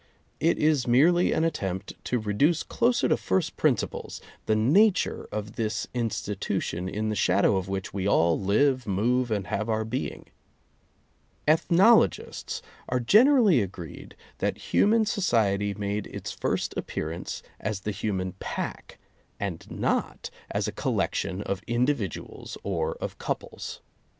It is merely an attempt to reduce closer to first prin ciples the nature of this institution in the shadow of which we all live, move and have our being. Ethnologists are generally agreed that human so ciety made its first appearance as the human pack and not as a collection of individuals or of couples.